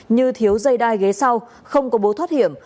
như thiếu dây đai ghế sau không có bố thoát hiểm